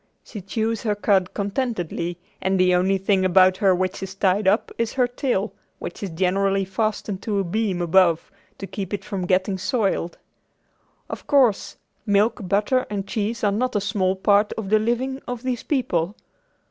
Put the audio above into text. She chews her cud contentedly and the only thing about her which is tied up is her tail, which is generally fastened to a beam above to keep it from getting soiled. Of course, milk, butter and cheese are not a small part of the living of these people.